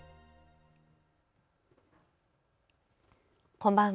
こんばんは。